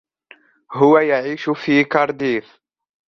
هو يعيش في كارديف.